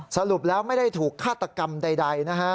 สรุปแล้วไม่ได้ถูกฆาตกรรมใดนะฮะ